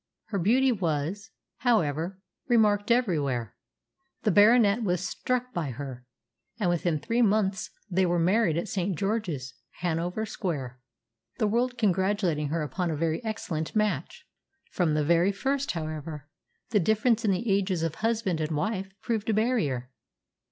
Her beauty was, however, remarked everywhere. The Baronet was struck by her, and within three months they were married at St. George's, Hanover Square, the world congratulating her upon a very excellent match. From the very first, however, the difference in the ages of husband and wife proved a barrier.